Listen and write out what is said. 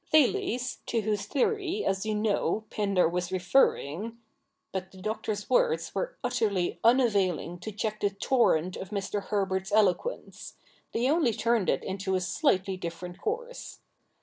'Thales, to whose theory, as you know, Pindar was referring ' But the Doctor's words were utterly unavailing to check the torrent of Mr. Herbert's eloquence. They only turned it into a slightly different course.